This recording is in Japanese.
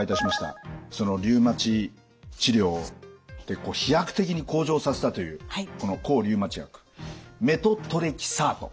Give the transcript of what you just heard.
そのリウマチ治療で飛躍的に向上させたというこの抗リウマチ薬メトトレキサート